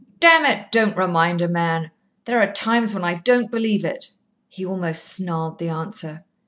"Damn it! don't remind a man. There are times when I don't believe it." He almost snarled the answer.